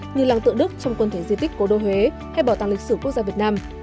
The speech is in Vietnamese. như làng tựa đức trong quân thể di tích cố đô huế hay bảo tàng lịch sử quốc gia việt nam